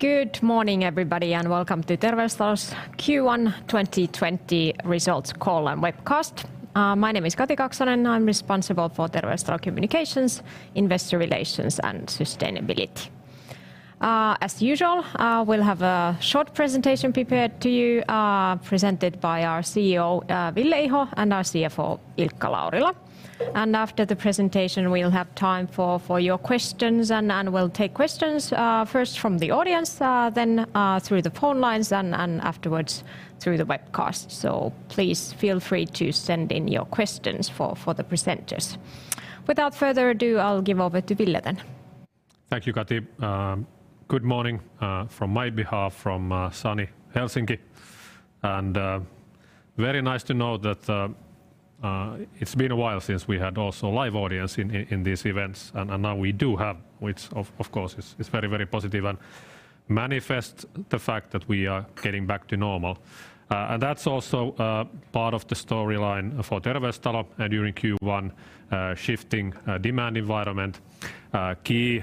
Good morning, everybody, and welcome to Terveystalo's Q1 2020 results call and webcast. My name is Kati Kaksonen, and I'm responsible for Terveystalo Communications, Investor Relations, and Sustainability. As usual, we'll have a short presentation prepared to you, presented by our CEO, Ville Iho and our CFO, Ilkka Laurila. After the presentation, we'll have time for your questions and we'll take questions, first from the audience, then through the phone lines and afterwards through the webcast. Please feel free to send in your questions for the presenters. Without further ado, I'll give over to Ville then. Thank you, Kati. Good morning on my behalf from sunny Helsinki. Very nice to know that it's been a while since we had also live audience in these events, and now we do have, which of course is very positive and manifests the fact that we are getting back to normal. That's also part of the storyline for Terveystalo and during Q1, shifting demand environment. Key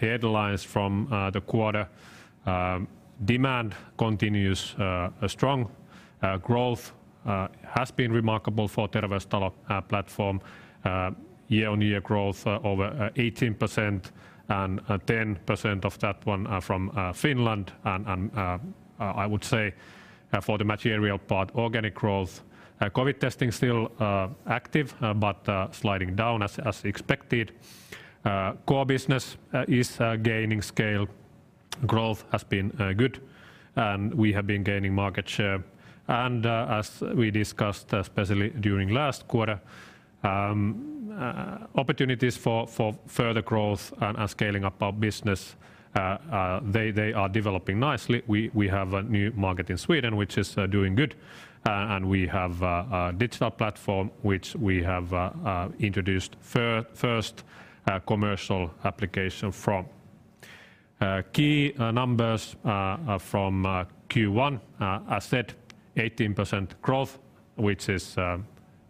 headlines from the quarter. Demand continues a strong growth has been remarkable for Terveystalo platform, year-on-year growth over 18% and 10% of that one are from Finland and I would say for the material part, organic growth. COVID testing still active, but sliding down as expected. Core business is gaining scale. Growth has been good, and we have been gaining market share. As we discussed, especially during last quarter, opportunities for further growth and scaling up our business, they are developing nicely. We have a new market in Sweden, which is doing good. We have a digital platform which we have introduced first commercial application for. Key numbers from Q1, as said, 18% growth, which is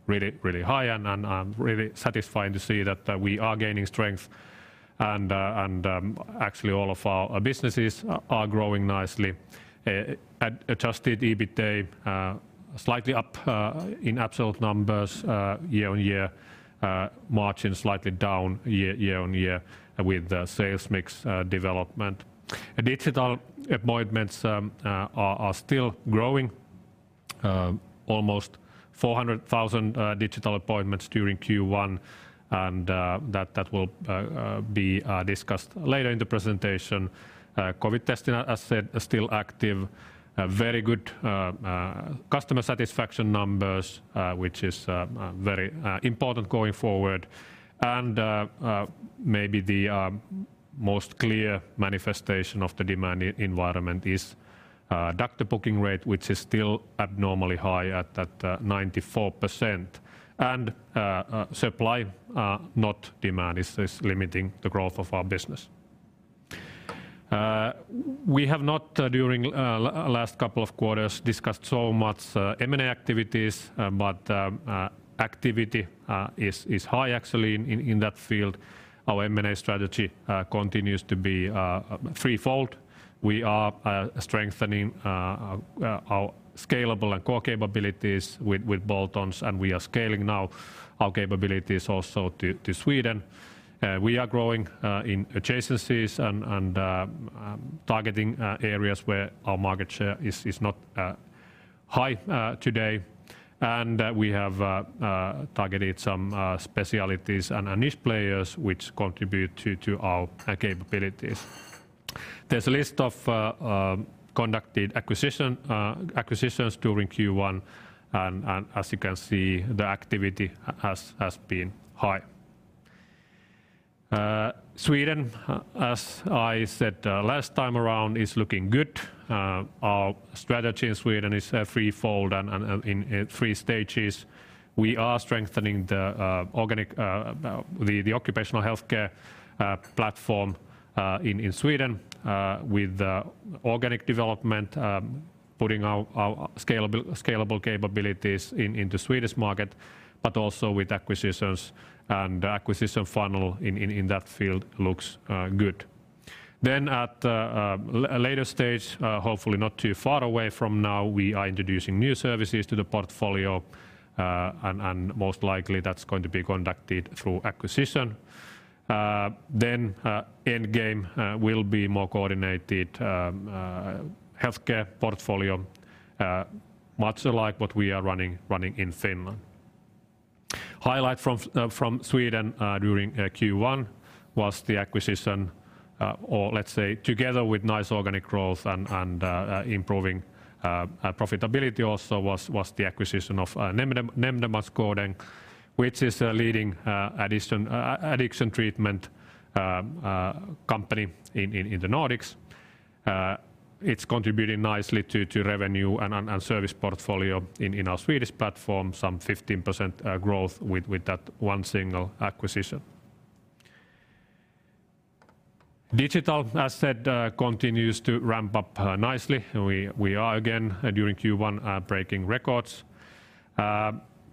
really high and really satisfying to see that we are gaining strength and actually all of our businesses are growing nicely. Adjusted EBITA slightly up in absolute numbers year-on-year, margin slightly down year-on-year with the sales mix development. Digital appointments are still growing, almost 400,000 digital appointments during Q1, and that will be discussed later in the presentation. COVID testing, as said, are still active. Very good customer satisfaction numbers, which is very important going forward. Maybe the most clear manifestation of the demand environment is doctor booking rate, which is still abnormally high at that 94%. Supply, not demand, is limiting the growth of our business. We have not during last couple of quarters discussed so much M&A activities, but activity is high actually in that field. Our M&A strategy continues to be threefold. We are strengthening our scalable and core capabilities with bolt-ons, and we are scaling now our capabilities also to Sweden. We are growing in adjacencies and targeting areas where our market share is not high today. We have targeted some specialties and niche players which contribute to our capabilities. There's a list of conducted acquisitions during Q1, and as you can see, the activity has been high. Sweden, as I said, last time around, is looking good. Our strategy in Sweden is threefold and in three stages. We are strengthening the organic the occupational healthcare platform in Sweden with organic development, putting our scalable capabilities in the Swedish market, but also with acquisitions and acquisition funnel in that field looks good. At a later stage, hopefully not too far away from now, we are introducing new services to the portfolio, and most likely that's going to be conducted through acquisition. End game will be more coordinated healthcare portfolio, much like what we are running in Finland. Highlight from Sweden during Q1 was the acquisition, or let's say together with nice organic growth and improving profitability also was the acquisition of Nämndemansgården, which is a leading addiction treatment company in the Nordics. It's contributing nicely to revenue and service portfolio in our Swedish platform, some 15% growth with that one single acquisition. Digital, as said, continues to ramp up nicely. We are again during Q1 breaking records.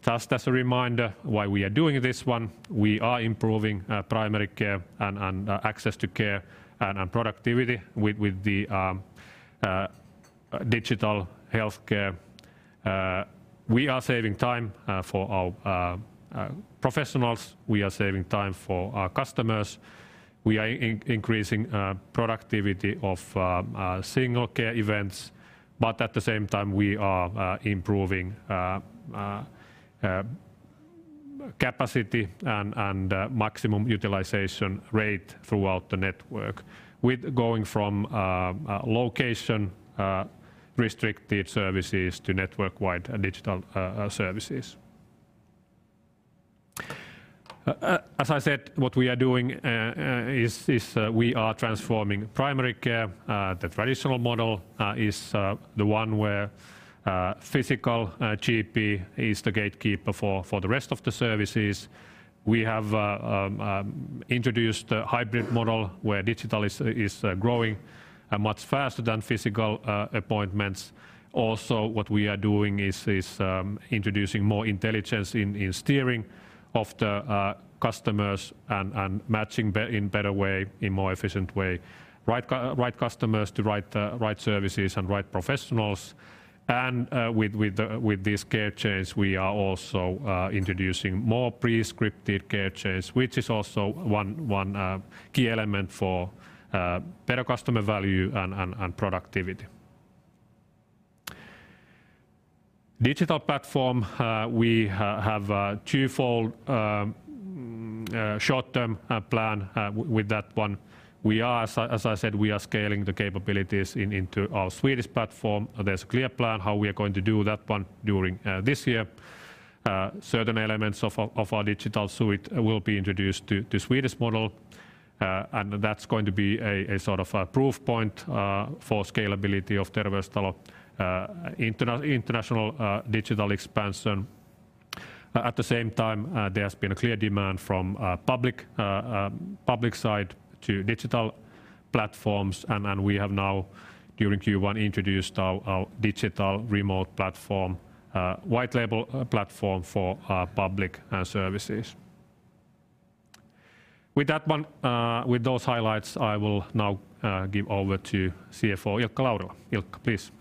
Just as a reminder why we are doing this one, we are improving primary care and access to care and productivity with the digital healthcare. We are saving time for our professionals. We are saving time for our customers. We are increasing productivity of single care events, but at the same time we are improving capacity and maximum utilization rate throughout the network with going from location restricted services to network-wide digital services. As I said, what we are doing is we are transforming primary care. The traditional model is the one where physical GP is the gatekeeper for the rest of the services. We have introduced a hybrid model where digital is growing much faster than physical appointments. Also, what we are doing is introducing more intelligence in steering of the customers and matching in better way, in more efficient way, right customers to right services and right professionals. With this care chains, we are also introducing more pre-scripted care chains, which is also one key element for better customer value and productivity. Digital platform, we have a twofold short-term plan with that one. We are, as I said, we are scaling the capabilities into our Swedish platform. There's a clear plan how we are going to do that one during this year. Certain elements of our digital suite will be introduced to Swedish model, and that's going to be sort of a proof point for scalability of Terveystalo international digital expansion. At the same time, there's been a clear demand from public side to digital platforms and we have now, during Q1, introduced our digital remote platform, white label platform for our public services. With those highlights, I will now give over to CFO Ilkka Laurila. Ilkka, please.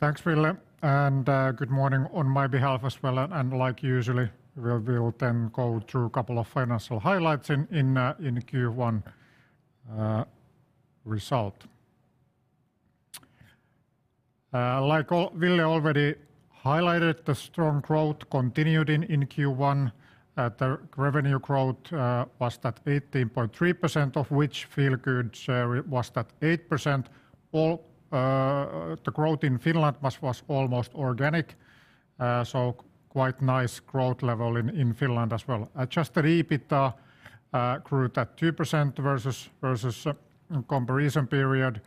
Thanks, Ville, and good morning on my behalf as well. Like usually, we'll then go through a couple of financial highlights in Q1 result. Like all Ville already highlighted, the strong growth continued in Q1. The revenue growth was at 18.3%, of which Feelfield goods share was at 8%. All the growth in Finland was almost organic, so quite nice growth level in Finland as well. Adjusted EBITDA grew at 2% versus comparison period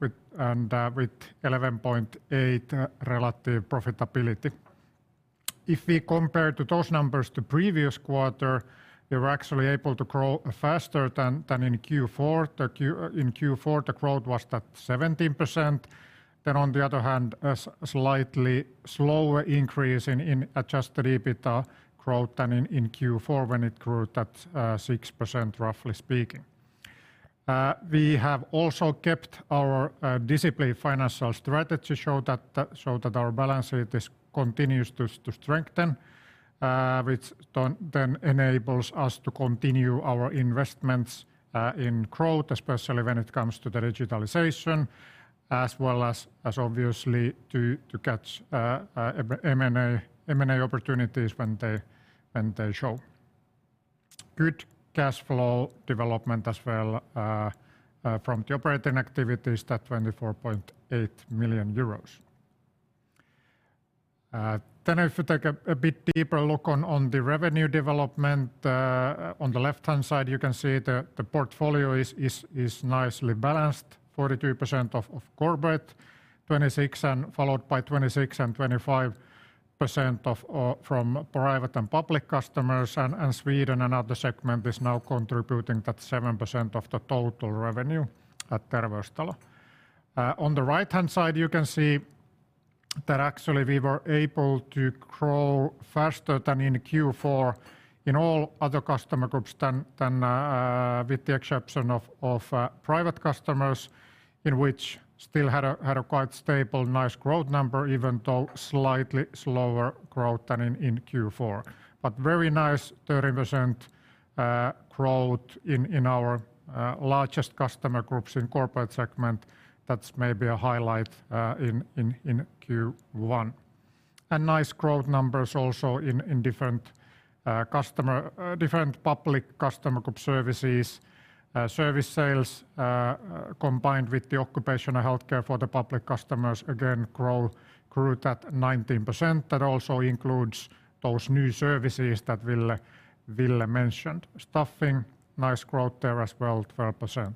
with 11.8% relative profitability. If we compare those numbers to previous quarter, we were actually able to grow faster than in Q4. In Q4, the growth was at 17%. On the other hand, a slightly slower increase in adjusted EBITDA growth than in Q4 when it grew at 6% roughly speaking. We have also kept our disciplined financial strategy show that our balance sheet continues to strengthen, which then enables us to continue our investments in growth, especially when it comes to the digitalization, as well as obviously to catch M&A opportunities when they show. Good cash flow development as well from the operating activities at 24.8 million euros. If you take a bit deeper look on the revenue development, on the left-hand side you can see the portfolio is nicely balanced, 43% of corporate, 26% followed by 26% and 25% from private and public customers. Sweden and other segment is now contributing 7% of the total revenue at Terveystalo. On the right-hand side, you can see that actually we were able to grow faster than in Q4 in all other customer groups than with the exception of private customers, in which still had a quite stable nice growth number even though slightly slower growth than in Q4. Very nice 30% growth in our largest customer groups in corporate segment. That's maybe a highlight in Q1. Nice growth numbers also in different public customer group services. Service sales combined with the occupational healthcare for the public customers again grew at 19%. That also includes those new services that Ville mentioned. Staffing, nice growth there as well, 12%.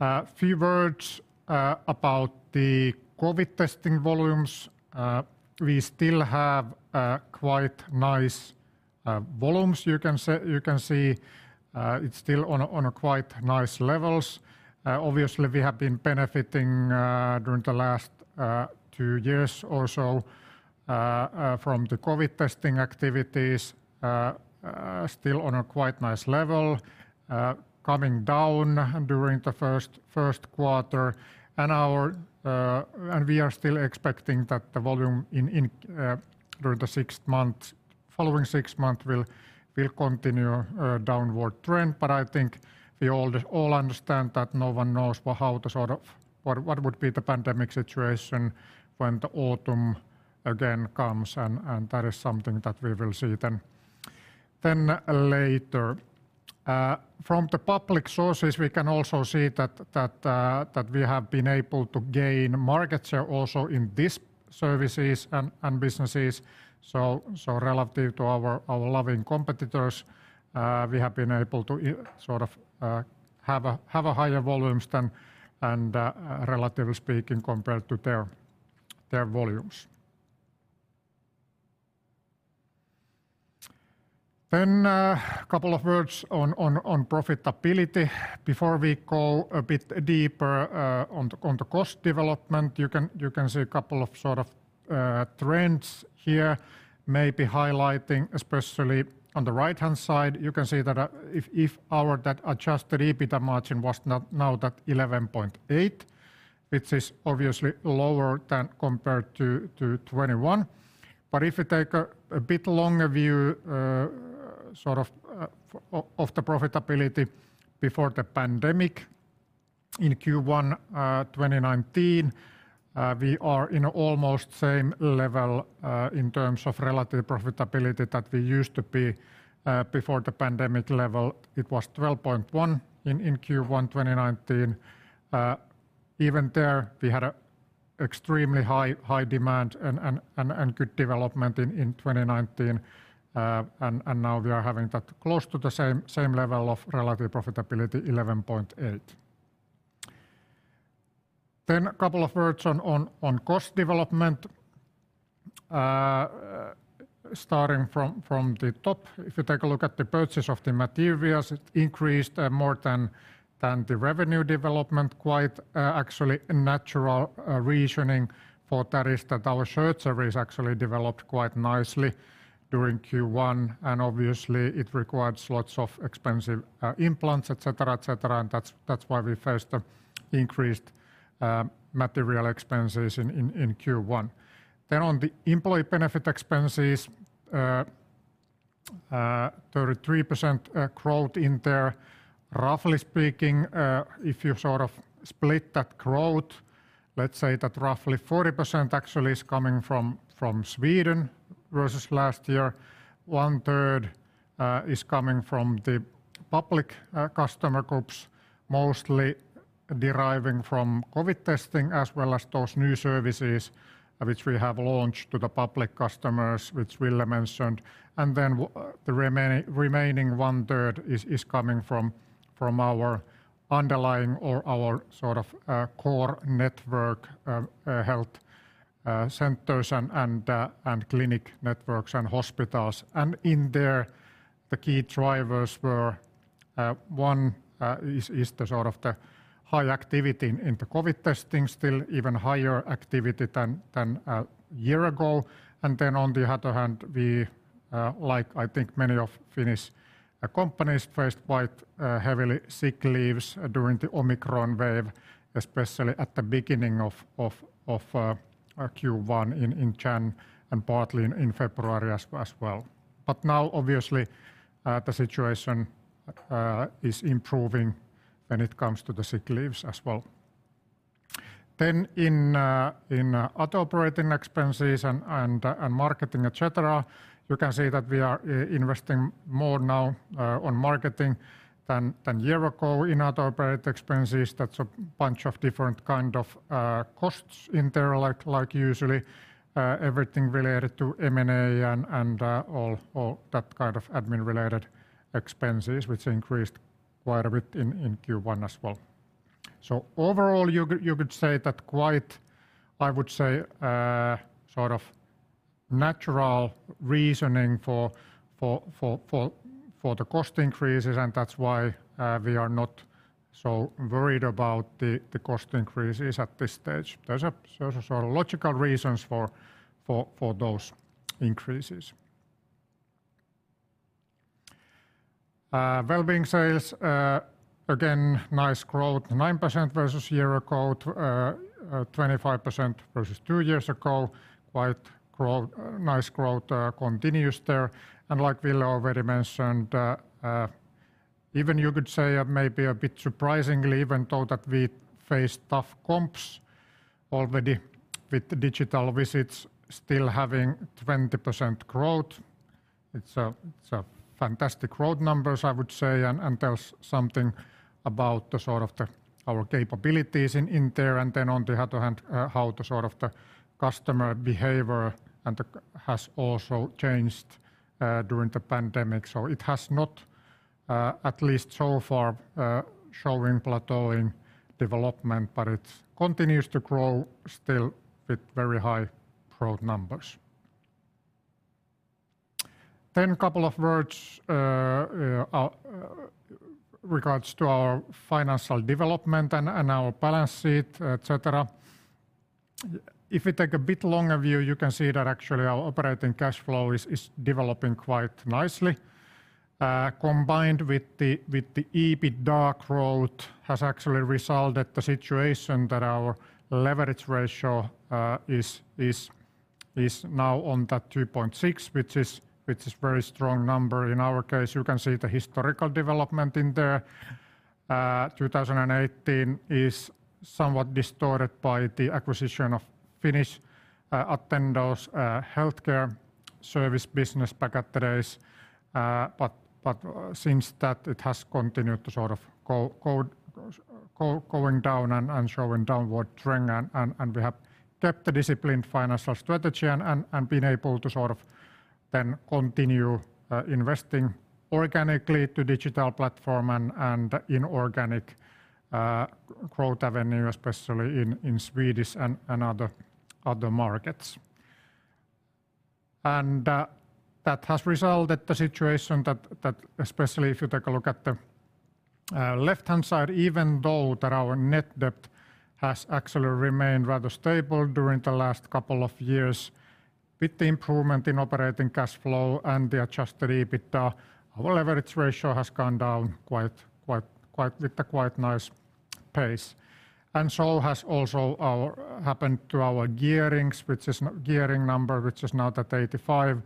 A few words about the COVID testing volumes. We still have quite nice volumes. You can see it's still on quite nice levels. Obviously we have been benefiting during the last two years or so from the COVID testing activities. Still on a quite nice level, coming down during the first quarter. We are still expecting that the volume in the following six months will continue a downward trend. I think we all understand that no one knows how the sort of what would be the pandemic situation when the autumn again comes, and that is something that we will see then later. From the public sources, we can also see that we have been able to gain market share also in these services and businesses. Relative to our local competitors, we have been able to sort of have higher volumes than, relatively speaking compared to their volumes. Couple of words on profitability before we go a bit deeper on the cost development. You can see a couple of sort of trends here maybe highlighting especially on the right-hand side. You can see that if our adjusted EBITDA margin was now at 11.8%, which is obviously lower than compared to 2021. If you take a bit longer view sort of of the profitability before the pandemic in Q1 2019, we are in almost same level in terms of relative profitability that we used to be before the pandemic level. It was 12.1% in Q1 2019. Even there we had a extremely high demand and good development in 2019. Now we are having that close to the same level of relative profitability, 11.8%. A couple of words on cost development. Starting from the top, if you take a look at the purchase of the materials, it increased more than the revenue development. Quite actually natural reasoning for that is that our surgery has actually developed quite nicely during Q1, and obviously it requires lots of expensive implants, et cetera, and that's why we faced the increased material expenses in Q1. On the employee benefit expenses, 33% growth in there. Roughly speaking, if you sort of split that growth, let's say that roughly 40% actually is coming from Sweden versus last year. One-third is coming from the public customer groups, mostly deriving from COVID testing as well as those new services which we have launched to the public customers, which Ville mentioned. Then the remaining one-third is coming from our underlying or our sort of core network health centers and clinic networks and hospitals. In there, the key drivers were one is sort of the high activity in the COVID testing, still even higher activity than a year ago. Then on the other hand, we like, I think, many Finnish companies faced quite heavily sick leaves during the Omicron wave, especially at the beginning of Q1 in January and partly in February as well. Now obviously, the situation is improving when it comes to the sick leaves as well. In other operating expenses and marketing et cetera, you can see that we are investing more now on marketing than a year ago in other operating expenses. That's a bunch of different kind of costs in there, like usually everything related to M&A and all that kind of admin related expenses, which increased quite a bit in Q1 as well. Overall you could say that quite, I would say, sort of natural reasoning for the cost increases, and that's why we are not so worried about the cost increases at this stage. There's a sort of logical reasons for those increases. Wellbeing sales, again, nice growth, 9% versus a year ago, 25% versus two years ago. Nice growth continues there. Like Ville already mentioned, even you could say, maybe a bit surprisingly, even though that we faced tough comps already with the digital visits still having 20% growth, it's a fantastic growth numbers I would say and tells something about the sort of our capabilities in there. Then on the other hand, how the sort of the customer behavior and the has also changed during the pandemic. It has, at least so far, showing plateauing development, but it continues to grow still with very high growth numbers. Couple of words regards to our financial development and our balance sheet, et cetera. If we take a bit longer view, you can see that actually our operating cash flow is developing quite nicely. Combined with the EBITDAR growth has actually resulted in the situation that our leverage ratio is now on that 3.6%, which is very strong number in our case. You can see the historical development in there. 2018 is somewhat distorted by the acquisition of Finnish Attendo's healthcare service business back in the days. Since then, it has continued to sort of going down and showing downward trend. We have kept the disciplined financial strategy and been able to sort of then continue investing organically to digital platform and inorganic growth avenue, especially in Swedish and other markets. That has resulted the situation that especially if you take a look at the left-hand side, even though that our net debt has actually remained rather stable during the last couple of years, with the improvement in operating cash flow and the adjusted EBITDA, our leverage ratio has gone down quite with a quite nice pace. So has also happened to our gearings, which is gearing number, which is now at 85%,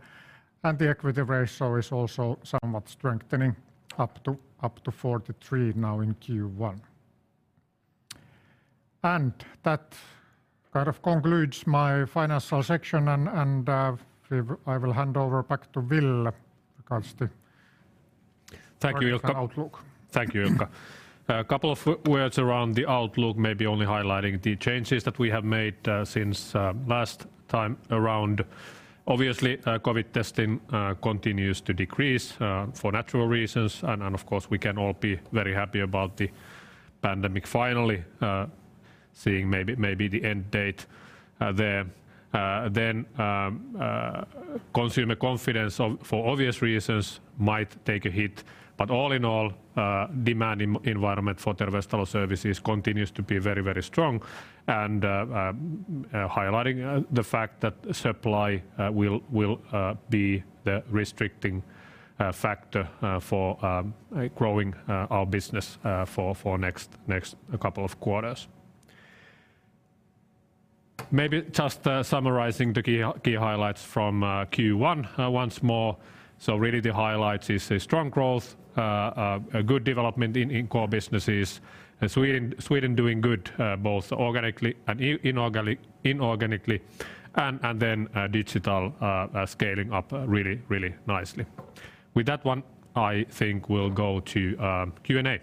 and the equity ratio is also somewhat strengthening up to 43% now in Q1. That kind of concludes my financial section. I will hand over back to Ville regards the- Thank you, Ilkka. regards the outlook. Thank you, Ilkka. A couple of words around the outlook, maybe only highlighting the changes that we have made, since last time around. Obviously, COVID testing continues to decrease, for natural reasons. Of course, we can all be very happy about the pandemic finally seeing maybe the end date there. Consumer confidence for obvious reasons might take a hit. All in all, demand environment for Terveystalo services continues to be very strong, highlighting the fact that supply will be the restricting factor for growing our business for next couple of quarters. Maybe just summarizing the key highlights from Q1 once more. Really the highlights is a strong growth, a good development in core businesses. Sweden doing good, both organically and inorganically, and then digital scaling up really nicely. With that one, I think we'll go to Q&A.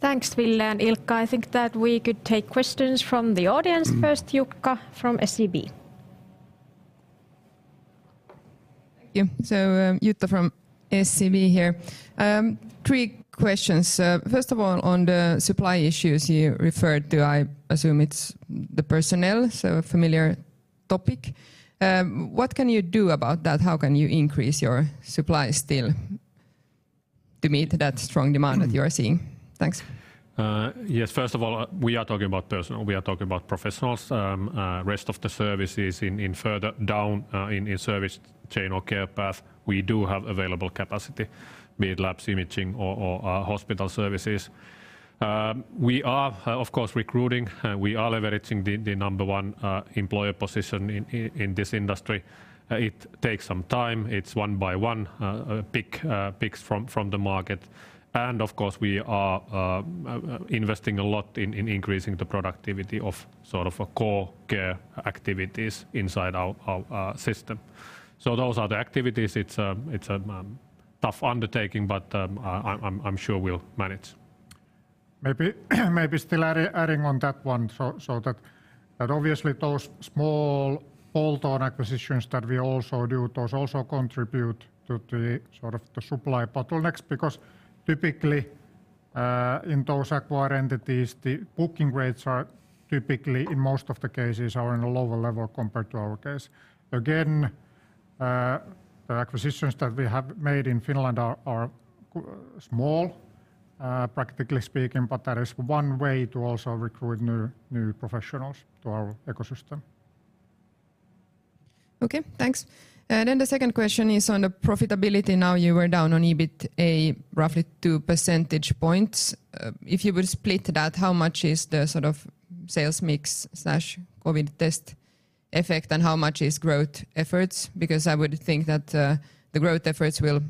Thanks, Ville and Ilkka. I think that we could take questions from the audience. First, Jutta from SEB. Thank you. Jutta from SEB here. Three questions. First of all, on the supply issues you referred to, I assume it's the personnel, so a familiar topic. What can you do about that? How can you increase your supply still to meet that strong demand that you are seeing? Thanks. Yes, first of all, we are talking about personnel. We are talking about professionals. Rest of the services in further down in service chain or care path, we do have available capacity, be it labs, imaging or hospital services. We are of course recruiting. We are leveraging the number one employer position in this industry. It takes some time. It's one by one picks from the market. Of course, we are investing a lot in increasing the productivity of sort of a core care activities inside our system. Those are the activities. It's a tough undertaking, but I'm sure we'll manage. Maybe still adding on that one, so that obviously those small bolt-on acquisitions that we also do, those also contribute to the sort of supply bottlenecks. Because typically, in those acquired entities, the booking rates are typically, in most of the cases, are in a lower level compared to our case. Again, the acquisitions that we have made in Finland are small, practically speaking, but that is one way to also recruit new professionals to our ecosystem. Okay, thanks. The second question is on the profitability. Now you were down on EBITA roughly two percentage points. If you will split that, how much is the sort of sales mix slash COVID test effect, and how much is growth efforts? Because I would think that the growth efforts will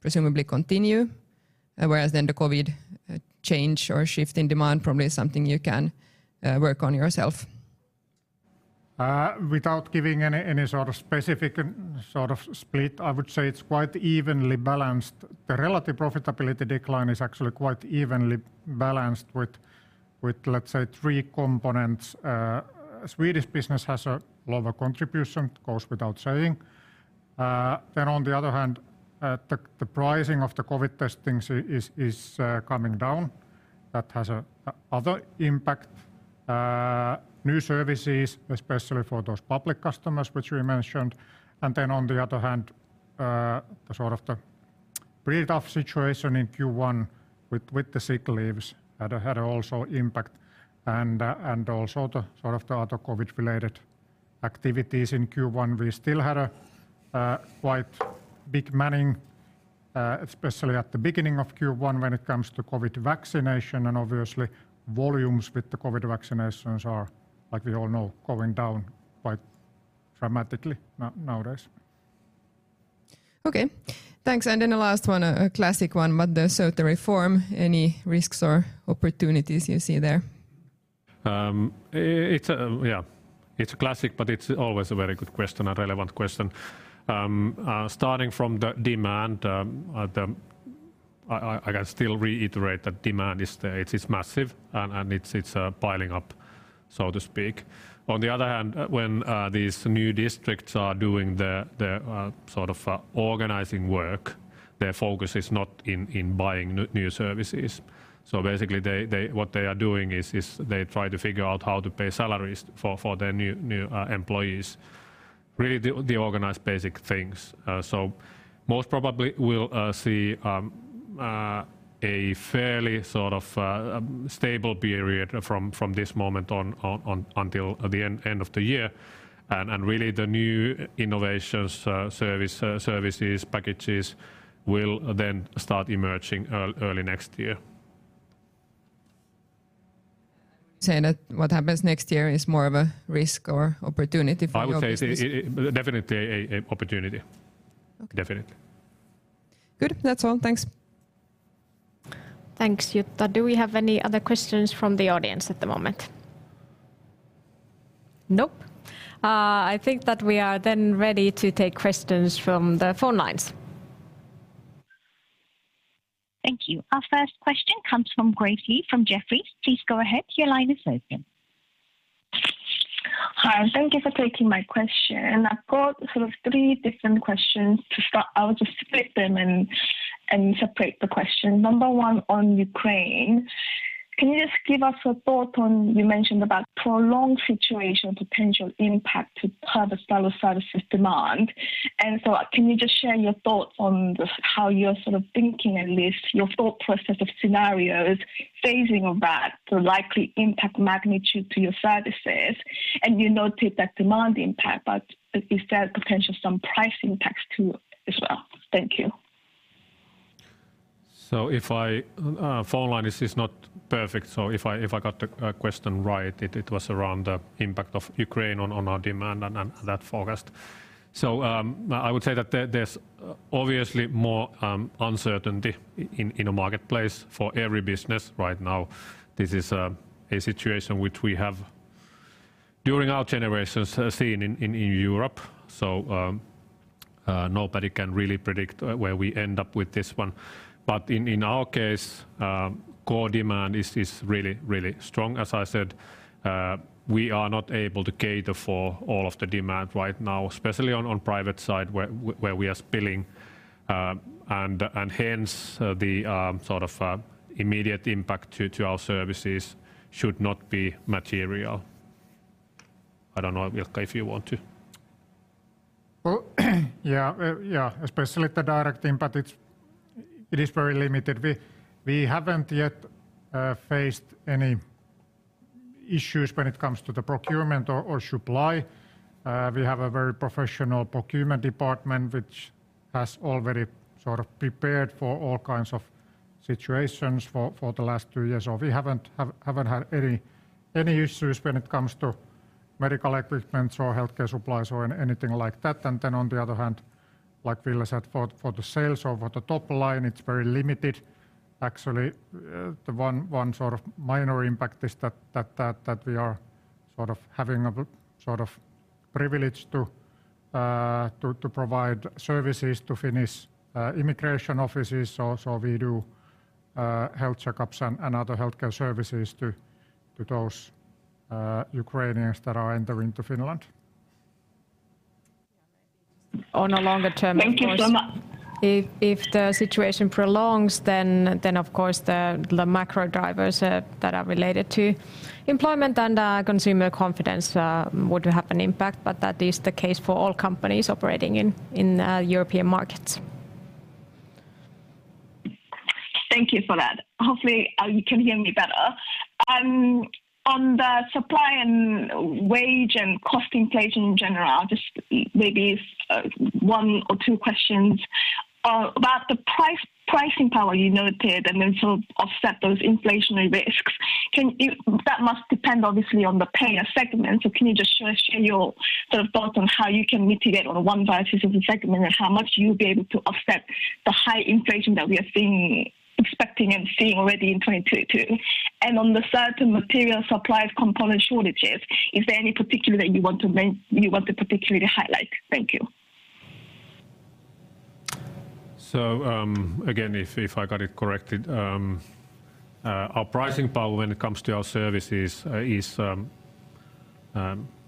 presumably continue, whereas then the COVID change or shift in demand probably is something you can work on yourself. Without giving any sort of specific sort of split, I would say it's quite evenly balanced. The relative profitability decline is actually quite evenly balanced with, let's say, three components. Swedish business has a lower contribution, it goes without saying. Then on the other hand, the pricing of the COVID testing is coming down. That has another impact. New services, especially for those public customers which we mentioned. Then on the other hand, the really tough situation in Q1 with the sick leaves that had also impact and also the other COVID-related activities in Q1. We still had a quite big manning, especially at the beginning of Q1 when it comes to COVID vaccination, and obviously volumes with the COVID vaccinations are, like we all know, going down quite dramatically nowadays. Okay. Thanks. The last one, a classic one, but the Sote reform, any risks or opportunities you see there? Yeah, it's a classic, but it's always a very good question, a relevant question. Starting from the demand, I can still reiterate that demand is massive and it's piling up, so to speak. On the other hand, when these new districts are doing the sort of organizing work, their focus is not in buying new services. Basically, what they are doing is they try to figure out how to pay salaries for their new employees. Really, the organized basic things. Most probably we'll see a fairly sort of stable period from this moment on until the end of the year. Really the new innovations, services packages will then start emerging early next year. Saying that what happens next year is more of a risk or opportunity for your business? I would say it's definitely a opportunity. Okay. Definitely. Good. That's all. Thanks. Thanks, Jutta. Do we have any other questions from the audience at the moment? Nope. I think that we are then ready to take questions from the phone lines. Thank you. Our first question comes from Grace Lee from Jefferies. Please go ahead, your line is open. Hi, thank you for taking my question. I've got sort of three different questions to start. I will just split them and separate the question. Number one on Ukraine. Can you just give us a thought on, you mentioned about prolonged situation potential impact to Terveystalo's services demand. Can you just share your thoughts on the how you're sort of thinking at least, your thought process of scenarios, phasing of that, the likely impact magnitude to your services? You noted that demand impact, but is there potential some price impacts too as well? Thank you. If the phone line is not perfect, if I got the question right, it was around the impact of Ukraine on our demand and that forecast. I would say that there's obviously more uncertainty in the marketplace for every business right now. This is a situation which we have, during our generations, seen in Europe. Nobody can really predict where we end up with this one. In our case, core demand is really strong. As I said, we are not able to cater for all of the demand right now, especially on private side where we are spilling. And hence, the sort of immediate impact to our services should not be material. I don't know, Ilkka, if you want to. Well, yeah, especially the direct impact, it is very limited. We haven't yet faced any issues when it comes to the procurement or supply. We have a very professional procurement department which has already sort of prepared for all kinds of situations for the last two years. We haven't had any issues when it comes to medical equipments or healthcare supplies or anything like that. Then on the other hand, like Ville said, for the sales or for the top line, it's very limited. Actually, the one sort of minor impact is that we are sort of having a sort of privilege to provide services to Finnish immigration offices. We do health checkups and other healthcare services to those Ukrainians that are entering to Finland. On a longer-term impact. Thank you very much. If the situation prolongs, then of course the macro drivers that are related to employment and consumer confidence would have an impact, but that is the case for all companies operating in European markets. Thank you for that. Hopefully, you can hear me better. On the supply and wage and cost inflation in general, just maybe, one or two questions. About the pricing power you noted and then sort of offset those inflationary risks, that must depend obviously on the payer segment. Can you just share your sort of thoughts on how you can mitigate on one basis of the segment and how much you'll be able to offset the high inflation that we have been expecting and seeing already in 2022? On the certain material supply component shortages, is there any particular that you want to particularly highlight? Thank you. Again, if I got it corrected, our pricing power when it comes to our services is,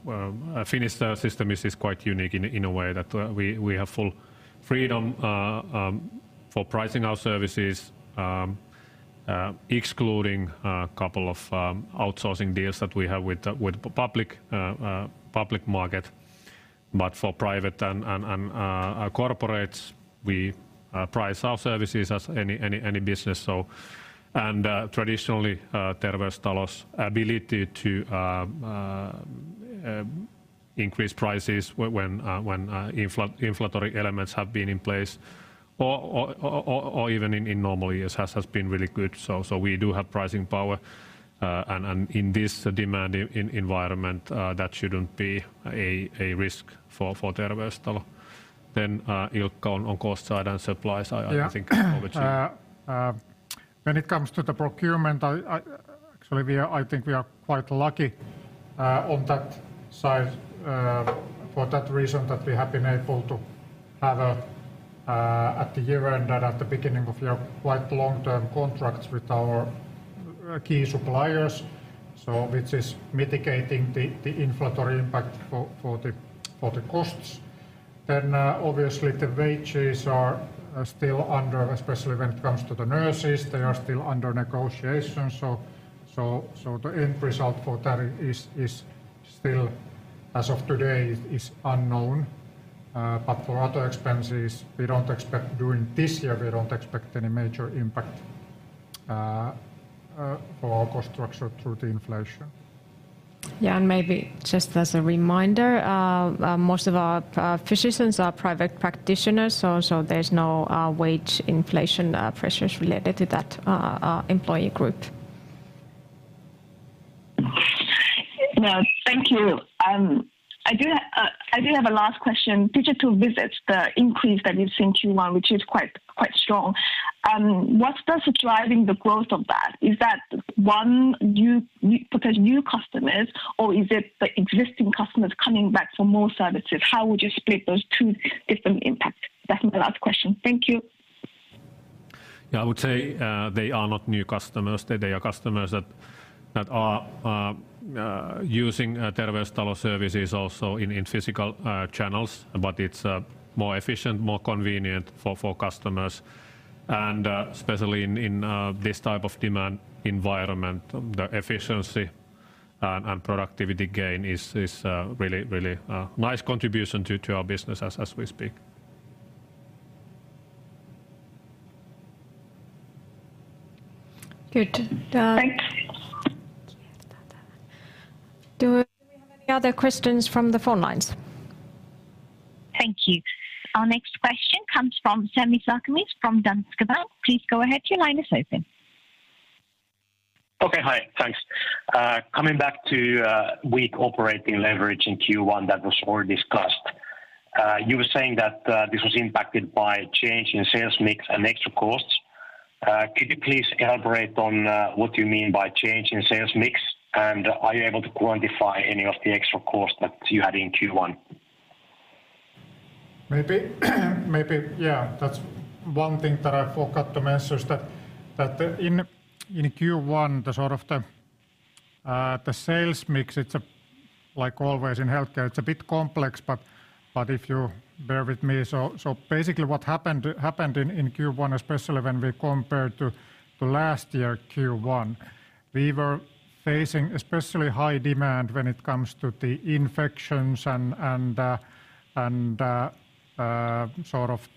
well, Finnish system is quite unique in a way that we have full freedom for pricing our services, excluding a couple of outsourcing deals that we have with the public market. For private and corporates, we price our services as any business. Traditionally, Terveystalo's ability to increase prices when inflationary elements have been in place or even in normal years has been really good. We do have pricing power. In this demand environment, that shouldn't be a risk for Terveystalo. Ilkka on cost side and supplies, I think probably should. When it comes to the procurement, actually, I think we are quite lucky on that side for that reason that we have been able to have a at the year end and at the beginning of year quite long-term contracts with our key suppliers, so which is mitigating the inflationary impact for the costs. Obviously the wages are still under negotiation. Especially when it comes to the nurses, they are still under negotiation. The end result for that is still, as of today, unknown. For other expenses, during this year, we don't expect any major impact for our cost structure through the inflation. Maybe just as a reminder, most of our physicians are private practitioners, so there's no wage inflation pressures related to that employee group. Well, thank you. I do have a last question. Digital visits, the increase that you've seen in Q1, which is quite strong, what's this driving the growth of that? Is that from new potential customers or is it the existing customers coming back for more services? How would you split those two different impacts? That's my last question. Thank you. Yeah, I would say, they are not new customers. They are customers that are using Terveystalo services also in physical channels, but it's more efficient, more convenient for customers. Especially in this type of demand environment, the efficiency and productivity gain is really a nice contribution to our business as we speak. Good. Thanks. Do we have any other questions from the phone lines? Thank you. Our next question comes from Sami Sarkamies from Danske Bank. Please go ahead, your line is open. Okay. Hi. Thanks. Coming back to weak operating leverage in Q1 that was already discussed. You were saying that this was impacted by change in sales mix and extra costs. Could you please elaborate on what you mean by change in sales mix? And are you able to quantify any of the extra costs that you had in Q1? Maybe, yeah. That's one thing that I forgot to mention is that in Q1, the sales mix, like always in healthcare, it's a bit complex, but if you bear with me. Basically what happened in Q1, especially when we compare to last year Q1, we were facing especially high demand when it comes to the infections and sort of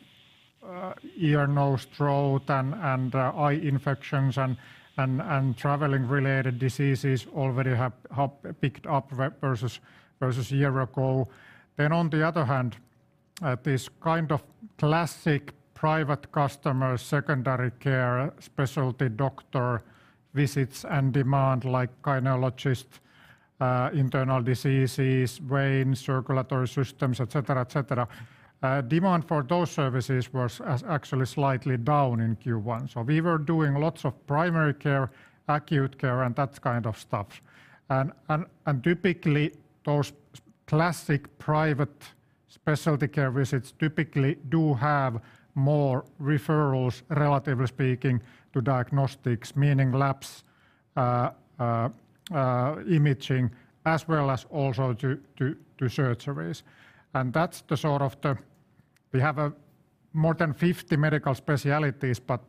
ear, nose, throat and eye infections and traveling related diseases already have picked up versus a year ago. Then on the other hand, this kind of classic private customer secondary care specialty doctor visits and demand like gynecologist, internal diseases, brain, circulatory systems, et cetera, demand for those services was actually slightly down in Q1. We were doing lots of primary care, acute care, and that kind of stuff. Typically, those classic private specialty care visits typically do have more referrals, relatively speaking, to diagnostics, meaning labs, imaging, as well as also to surgeries. That's the sort of. We have more than 50 medical specialties, but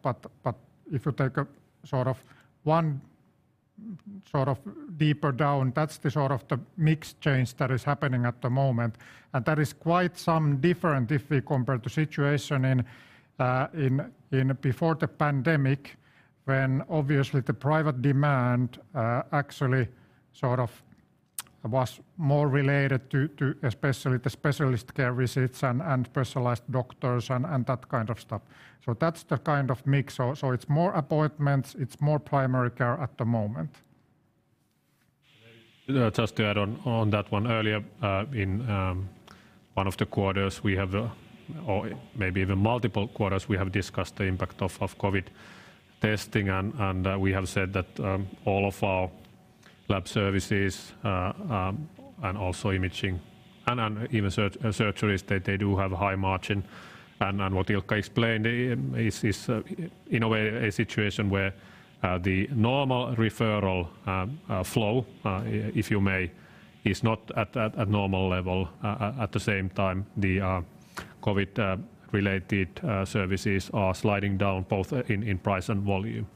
if you take a sort of deeper down, that's the sort of mix change that is happening at the moment. That is quite some different if we compare the situation in before the pandemic, when obviously the private demand actually sort of was more related to especially the specialist care visits and specialized doctors and that kind of stuff. That's the kind of mix. It's more appointments, it's more primary care at the moment. Yeah, just to add on that one, earlier, in one of the quarters we have, or maybe even multiple quarters, we have discussed the impact of COVID testing and we have said that all of our lab services and also imaging and even surgeries, they do have high margin. What Ilkka explained is, in a way, a situation where the normal referral flow, if you may, is not at normal level. At the same time the COVID related services are sliding down both in price and volume.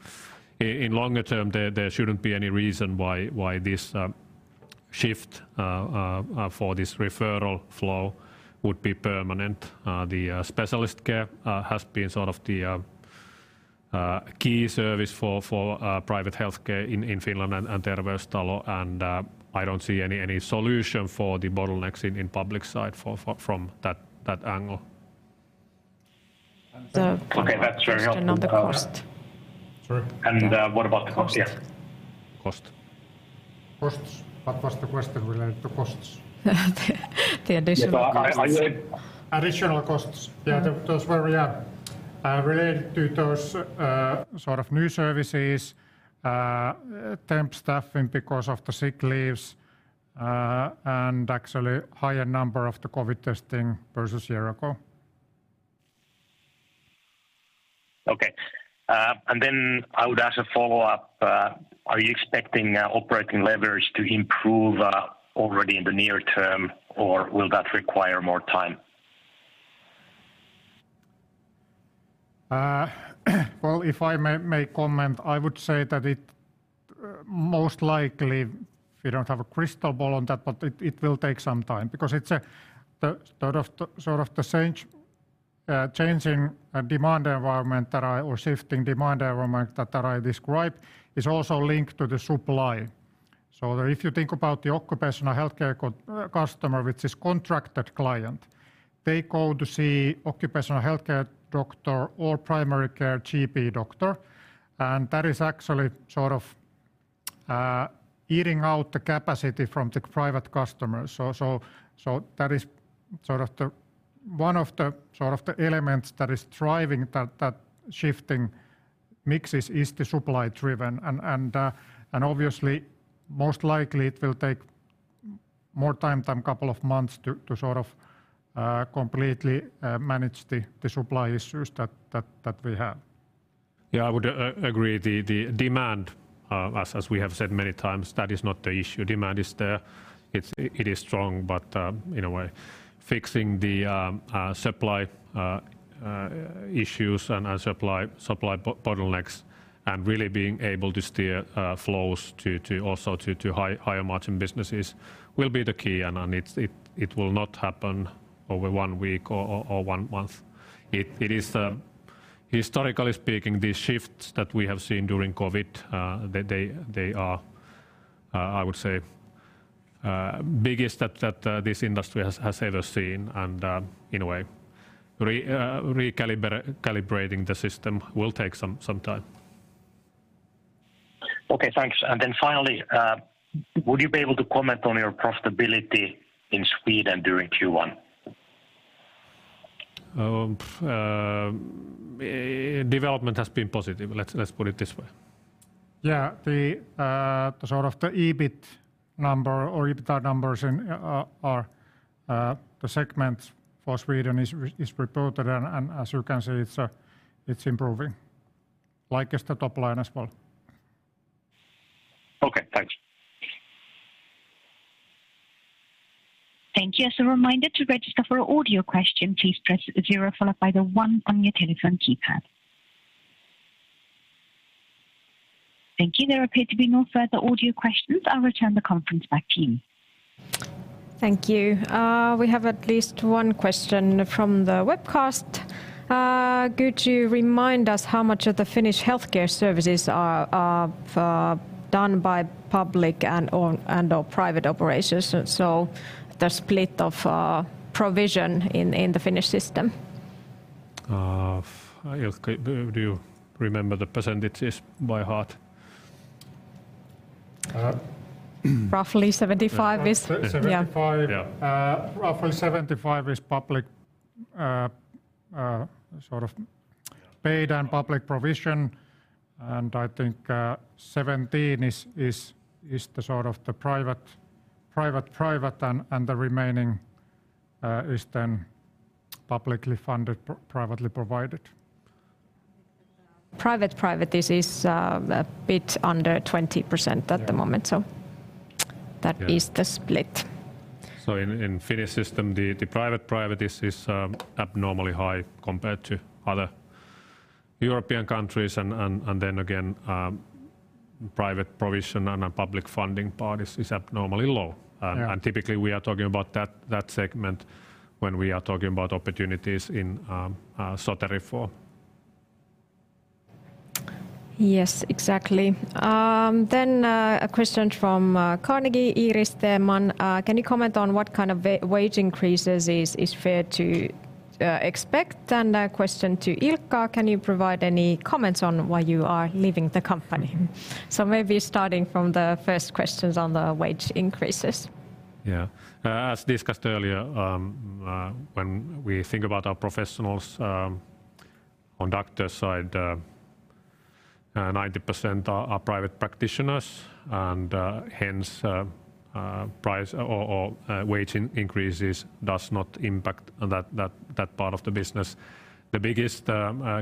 In longer term there shouldn't be any reason why this shift for this referral flow would be permanent. The specialist care has been sort of the key service for private healthcare in Finland and Terveystalo, and I don't see any solution for the bottlenecks in public side from that angle. The question on the cost. Okay, that's very helpful. What about the cost? Cost. Costs. What was the question related to costs? The additional costs. Yeah, I said. Additional costs. Yeah, those were, yeah, related to those sort of new services, temp staffing because of the sick leaves, and actually higher number of the COVID testing versus year ago. Okay. I would ask a follow-up. Are you expecting operating leverage to improve already in the near term, or will that require more time? Well, if I may comment, I would say that most likely we don't have a crystal ball on that, but it will take some time because it's a sort of shifting demand environment that I described is also linked to the supply. If you think about the occupational healthcare customer, which is contracted client, they go to see occupational healthcare doctor or primary care GP doctor, and that is actually sort of eating into the capacity from the private customers. So that is sort of one of the elements that is driving that shifting mix is the supply-driven. Obviously most likely it will take more time than couple of months to sort of completely manage the supply issues that we have. Yeah, I would agree. The demand, as we have said many times, that is not the issue. Demand is there. It is strong, but in a way, fixing the supply issues and supply bottlenecks and really being able to steer flows also to higher margin businesses will be the key. It will not happen over one week or one month. It is historically speaking, the shifts that we have seen during COVID, they are I would say biggest that this industry has ever seen. In a way, recalibrating the system will take some time. Okay, thanks. Finally, would you be able to comment on your profitability in Sweden during Q1? Development has been positive. Let's put it this way. Yeah. The sort of the EBIT number or EBITDA numbers in the segment for Sweden is reported and, as you can see, it's improving, like the top line as well. Okay, thanks. Thank you. As a reminder to register for an audio question, please press zero followed by the one on your telephone keypad. Thank you. There appear to be no further audio questions. I'll return the conference back to you. Thank you. We have at least one question from the webcast. Could you remind us how much of the Finnish healthcare services are done by public and/or private operations? The split of provision in the Finnish system. Ilkka, do you remember the percentages by heart? Uh - Roughly 75% is. 75%. Yeah. Roughly 75% is public, sort of paid and public provision, and I think 17% is the sort of the private private, and the remaining is then publicly funded, privately provided. Private-private, this is a bit under 20% at the moment. Yeah. That is the split. In Finnish system, the private provision is abnormally high compared to other European countries and then again, private provision and a public funding part is abnormally low. Yeah. Typically we are talking about that segment when we are talking about opportunities in Sote reform. Yes, exactly. A question from Carnegie, Iiris Theman. Can you comment on what kind of wage increases is fair to expect? And a question to Ilkka. Can you provide any comments on why you are leaving the company? Maybe starting from the first questions on the wage increases. Yeah. As discussed earlier, when we think about our professionals, on doctor side, 90% are private practitioners, and hence, price or wage increases does not impact that part of the business. The biggest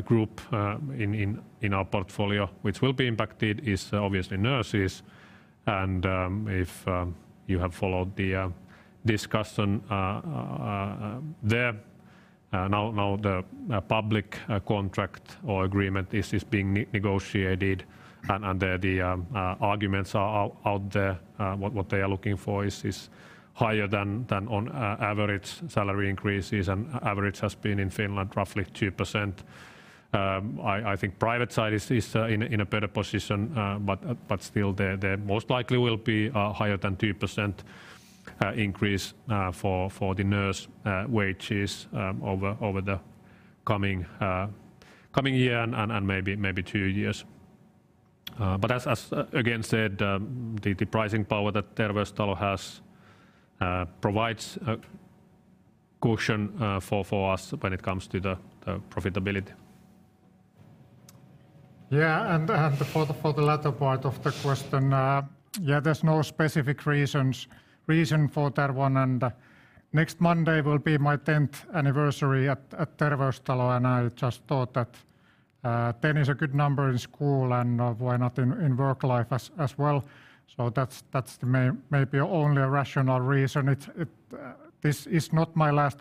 group in our portfolio which will be impacted is obviously nurses. If you have followed the discussion there, now the public contract or agreement is being negotiated. Under the arguments are out there. What they are looking for is higher than average salary increases and average has been in Finland roughly 2%. I think private side is in a better position. Still they most likely will be a higher than 2% increase for the nurse wages over the coming year and maybe two years. As again said, the pricing power that Terveystalo has provides a cushion for us when it comes to the profitability. Yeah. For the latter part of the question, there's no specific reason for that one. Next Monday will be my 10th anniversary at Terveystalo, and I just thought that 10 is a good number in school and why not in work life as well? That's the maybe only rational reason. This is not my last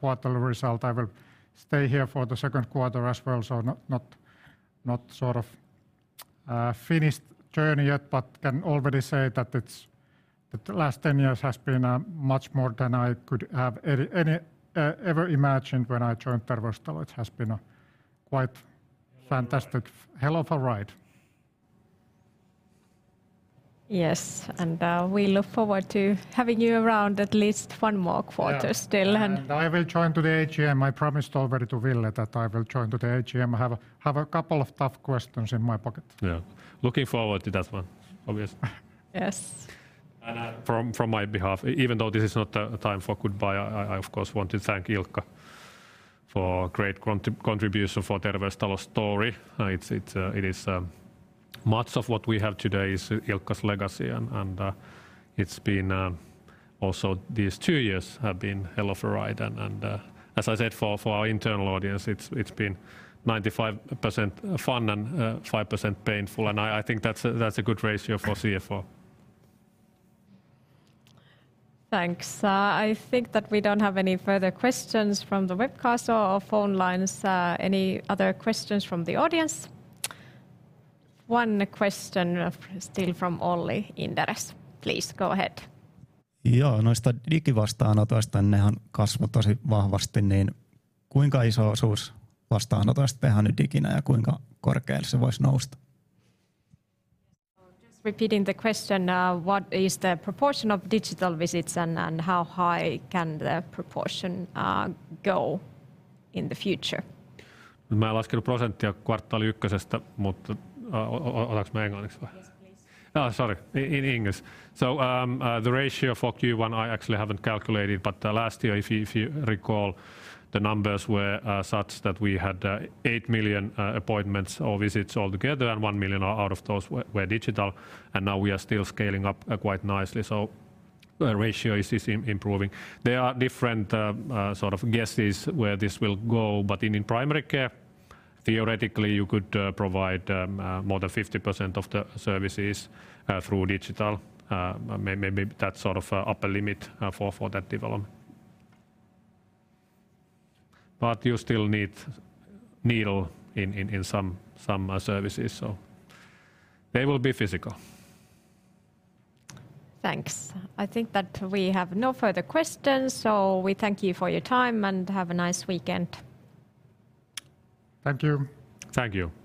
quarter result. I will stay here for the second quarter as well, so not sort of finished journey yet, but can already say that the last 10 years has been much more than I could have ever imagined when I joined Terveystalo. It has been a quite fantastic hell of a ride. Yes. We look forward to having you around at least one more quarter still and- Yeah. I will join to the AGM. I promised already to Ville that I will join to the AGM. I have a couple of tough questions in my pocket. Yeah. Looking forward to that one, obviously. Yes. On my behalf, even though this is not a time for goodbye, I of course want to thank Ilkka for great contribution for Terveystalo story. It is much of what we have today is Ilkka's legacy and it's been also these two years have been hell of a ride. As I said, for our internal audience, it's been 95% fun and 5% painful, and I think that's a good ratio for CFO. Thanks. I think that we don't have any further questions from the webcast or phone lines. Any other questions from the audience? One question, still from Olli, Inderes. Please go ahead. Yeah. Just repeating the question. What is the proportion of digital visits and how high can the proportion go in the future? Now, I'm asking the percentage of the quarter one, but, English, please. Sorry. In English. The ratio for Q1, I actually haven't calculated. The last year, if you recall, the numbers were such that we had 8 million appointments or visits altogether, and 1 million out of those were digital. Now we are still scaling up quite nicely. The ratio is improving. There are different sort of guesses where this will go, but in primary care, theoretically you could provide more than 50% of the services through digital. Maybe that sort of upper limit for that development. You still need needles in some services, so they will be physical. Thanks. I think that we have no further questions, so we thank you for your time, and have a nice weekend. Thank you. Thank you.